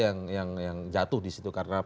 yang jatuh disitu karena